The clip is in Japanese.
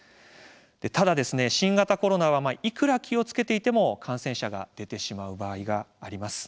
ただ新型コロナはいくら気をつけていても感染者が出てしまう場合があります。